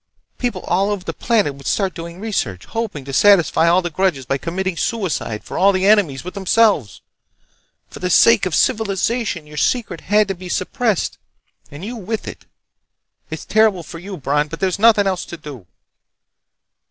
People all over the planet would start doing research, hoping to satisfy all their grudges by committing suicide for all their enemies with themselves! For the sake of civilization your secret has to be suppressed—and you with it. It's terrible for you, Bron, but there's nothing else to do!"